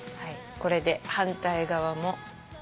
これで反対側も。